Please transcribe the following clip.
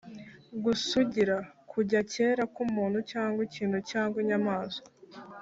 gusugira: kujya kera k’umuntu cyangwa ikintu cyangwa inyamaswa